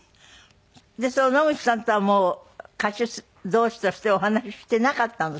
その野口さんとはもう歌手同士としてお話ししてなかったの？